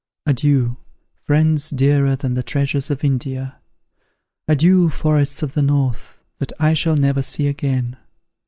"Adieu! friends dearer than the treasures of India! Adieu! forests of the North, that I shall never see again!